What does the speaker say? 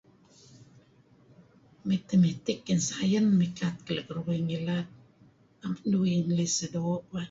Mathemetics ngen sains mikat ngen keduih ngilad. Naem keduih sedoo' lah.